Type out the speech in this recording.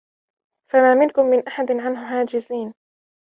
فَمَا مِنكُم مِّنْ أَحَدٍ عَنْهُ حَاجِزِينَ